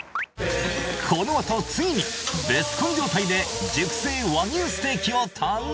このあとついにベスコン状態で熟成和牛ステーキを堪能！